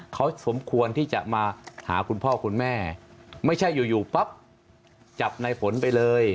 เขาสมควรที่จะมาหาคุณพ่อคุณแม่ไม่ใช่อยู่อยู่ปั๊บจับในฝนไปเลย